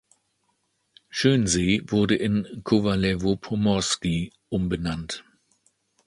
Schönsee wurde in "Kowalewo Pomorskie" umbenannt.